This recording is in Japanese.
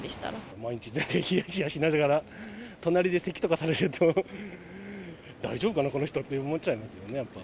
毎日、ひやひやしながら、隣でせきとかされると、大丈夫かな、この人って思っちゃいますよ